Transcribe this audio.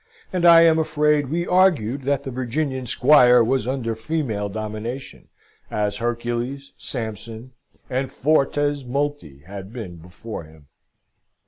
And I am afraid we argued that the Virginian Squire was under female domination as Hercules, Samson, and fortes multi had been before him.